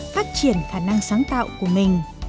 phát triển khả năng sáng tạo của mình